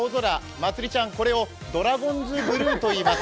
まつりちゃん、これをドラゴンズブルーといいます。